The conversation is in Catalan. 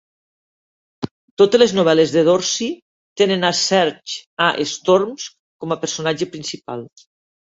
Totes les novel·les de Dorsey tenen a Serge A. Storms com a personatge principal.